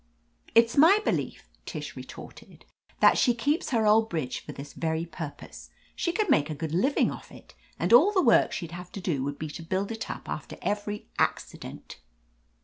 "It's my belief," Tish retorted, "that she keeps her old bridge for this very purpose. She could make a good living off it, and all the work she'd have to do would be to build it up after every accident."